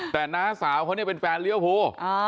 แต่หน้าสาวเป็นแฟนเรียวภู